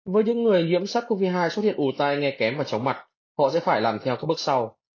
với những người nhiễm sars cov hai xuất hiện ủ tai nghe kém và chóng mặt họ sẽ phải làm theo các bước sau